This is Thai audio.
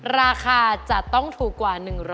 ราคาจะต้องถูกกว่า๑๐๐